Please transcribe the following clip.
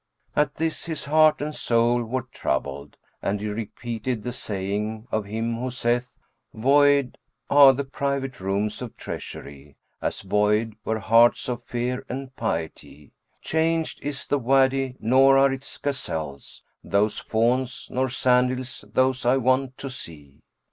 At this, his heart and soul were troubled, and he repeated the saying of him who saith, "Void are the private rooms of treasury: * As void were hearts of fear and piety: Changed is the Wady nor are its gazelles * Those fawns, nor sand hills those I wont to see."